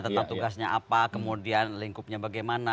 tentang tugasnya apa kemudian lingkupnya bagaimana